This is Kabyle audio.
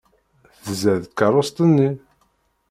Tzad tkeṛṛust-nni!